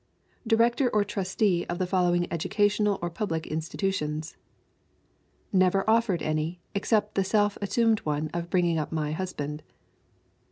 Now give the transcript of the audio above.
Director or trustee of the following educational or public institutions: Never offered any, except the self assumed one of bringing up my husband.